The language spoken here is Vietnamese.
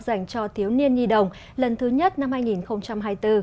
dành cho thiếu niên nhi đồng lần thứ nhất năm hai nghìn hai mươi bốn